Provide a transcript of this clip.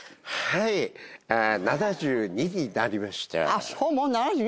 はい７２になりました。